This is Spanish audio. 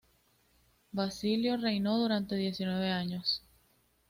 Basilio reinó durante diecinueve años.